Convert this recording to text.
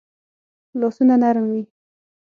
لاسونه نرم وي